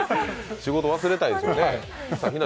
仕事、忘れたいですよね。